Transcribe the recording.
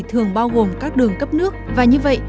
thường bao gồm các đường cấp nước và như vậy